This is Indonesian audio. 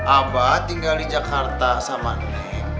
abah tinggal di jakarta sama nih